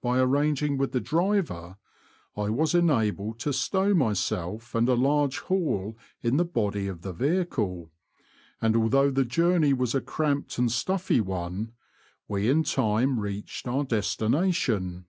By arranging with the driver I was enabled to stow myself and a large haul in the body of the vehicle, and, although the journey was a cramped and stuffy one, we in time reached our destination.